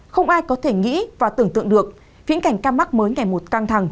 không ai có thể nghĩ và tưởng tượng được viễn cảnh ca mắc mới ngày một căng thẳng